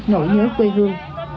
nỗi nhớ quê hương